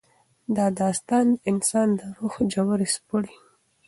دا داستان د انسان د روح ژورې سپړي.